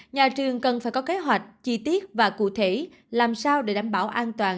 nhà trường cần phải có kế hoạch chi tiết và cụ thể làm sao để đảm bảo an toàn